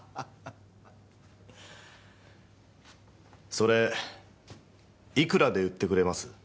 それいくらで売ってくれます？